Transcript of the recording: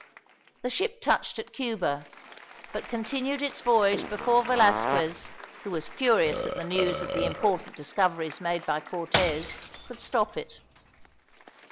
The ship touched at Cuba, but continued its voyage before Velasquez, who was furious at the news of the important discoveries made by Cortez, could stop it.